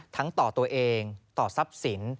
ต่อตัวเองต่อทรัพย์สิน